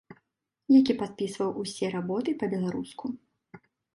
Які падпісваў усе работы па-беларуску.